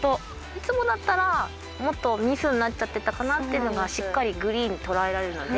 いつもだったらもっとミスになっちゃってたかなってのがしっかりグリーンにとらえられるので。